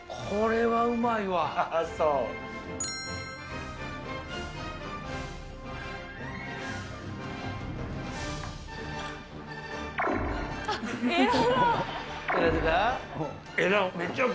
これはうまいわ。